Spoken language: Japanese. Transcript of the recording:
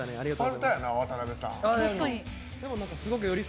スパルタやな、渡辺さん。